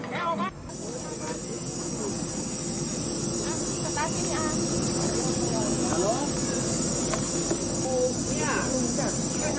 น้ำนะไหม